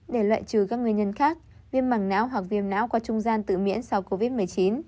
để loại trừ các nguyên nhân khác viêm mảng não hoặc viêm não qua trung gian tự miễn sau covid một mươi chín